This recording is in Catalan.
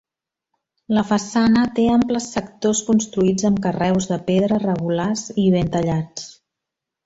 La façana té amples sectors construïts amb carreus de pedra regulars i ben tallats.